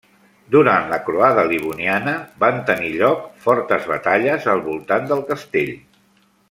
Durant la croada Livoniana van tenir lloc fortes batalles al voltant del castell.